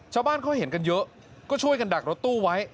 ชาวบ้านเขาเห็นกันเยอะก็ช่วยกันดักรถตู้ไว้